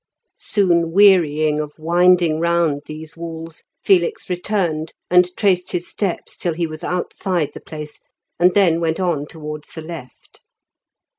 Soon wearying of winding round these walls, Felix returned and retraced his steps till he was outside the place, and then went on towards the left.